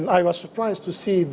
dan saya terkejut melihat